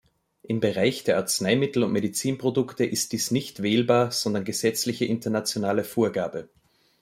Im Bereich der Arzneimittel und Medizinprodukte ist dies nicht wählbar, sondern gesetzliche internationale Vorgabe.